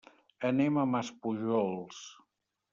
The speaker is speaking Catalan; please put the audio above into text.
Anem a Maspujols.